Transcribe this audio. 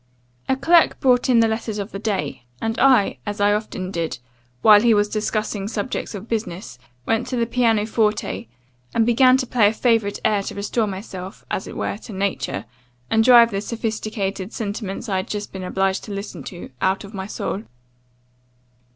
"A clerk brought in the letters of the day, and I, as I often did, while he was discussing subjects of business, went to the piano forte, and began to play a favourite air to restore myself, as it were, to nature, and drive the sophisticated sentiments I had just been obliged to listen to, out of my soul.